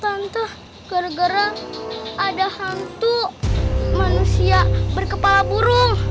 hantuh gara gara ada hantu manusia berkepala burung